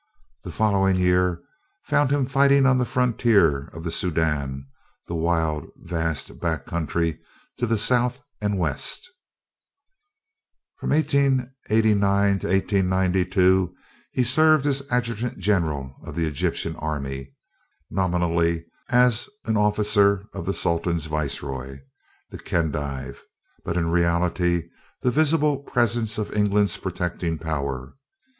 The following year found him fighting on the frontier of the Soudan, the wild, vast back country to the south and west. From 1889 to 1892 he served as Adjutant General of the Egyptian Army, nominally as an officer of the Sultan's viceroy, the Khedive; but in reality the visible presence of England's protecting power.